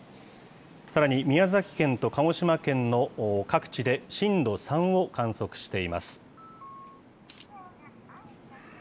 さらに宮崎県と鹿児島県の各地で震度３を観測しています。